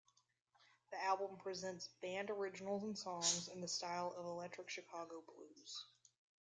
The album presents band originals and songs in the style of electric Chicago blues.